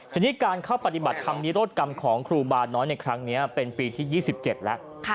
ทีนี้การเข้าปฏิบัติธรรมนิโรธกรรมของครูบาน้อยในครั้งนี้เป็นปีที่๒๗แล้ว